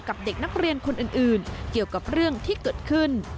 เด็กนักเรียนคนอื่นเกี่ยวกับเรื่องที่เกิดขึ้น